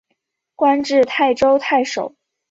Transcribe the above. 官至泰州太守。